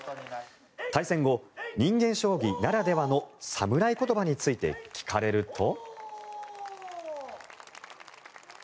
対戦後、人間将棋ならではの侍言葉について聞かれると。